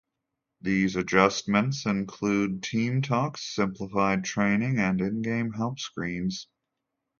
These adjustments include team-talks, simplified training and in-game help screens.